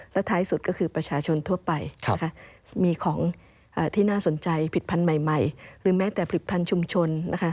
และท้ายสุดก็คือประชาชนทั่วไปมีของที่น่าสนใจผิดพันธุ์ใหม่หรือแม้แต่ผลิตภัณฑ์ชุมชน